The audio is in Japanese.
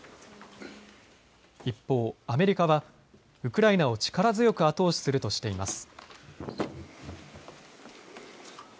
一方、アメリカはウクライナを力強く後押しするとしています。